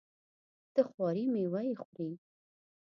د خواري میوه یې خوري.